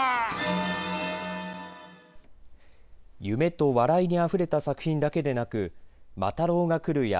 夢と笑いにあふれた作品だけでなく魔太郎がくる！！